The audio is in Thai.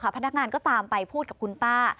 พนักงานก็ตามไปพูดกับคุณป้า